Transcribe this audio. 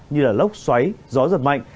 như là lốc xoáy gió dần mạnh